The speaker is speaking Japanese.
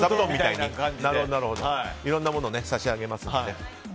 いろいろなものを差し上げますので。